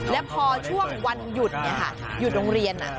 แล้วพอช่วงวันหยุดเนี่ยค่ะหยุดโรงเรียนน่ะ